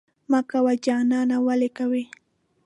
مه کوه جانانه ولې کوې؟